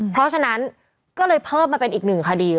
เพราะฉะนั้นก็เลยเพิ่มมาเป็นอีกหนึ่งคดี